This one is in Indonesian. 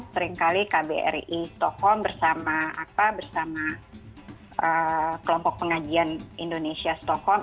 seringkali kbri stockholm bersama apa bersama kelompok pengajian indonesia stockholm